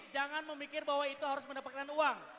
jangan memikir bahwa itu harus mendapatkan uang